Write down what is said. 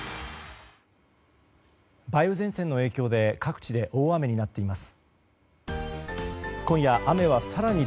梅雨前線の影響で各地で大雨になっています。